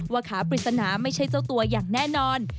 ขาปริศนาไม่ใช่เจ้าตัวอย่างแน่นอน